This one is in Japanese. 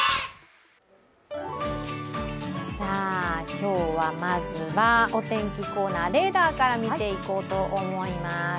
今日はまずは、お天気コーナー、レーダーから見ていこうと思います。